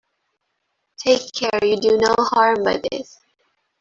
Take care you do no harm by this.